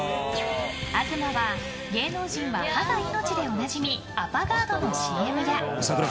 東は芸能人は歯が命でおなじみアパガードのＣＭや。